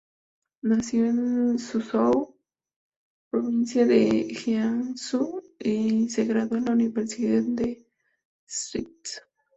Nació en Suzhou, provincia de Jiangsu y se graduó en la Universidad de St.